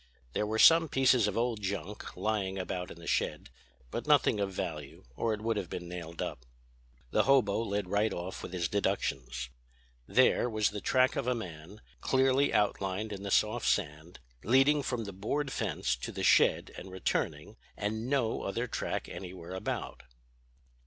There were some pieces of old junk lying about in the shed; but nothing of value or it would have been nailed up. "The hobo led right off with his deductions. There, was the track of a man, clearly outlined in the soft sand, leading from the board fence to the shed and returning, and no other track anywhere about.